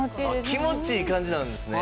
気持ちいい感じなんですね。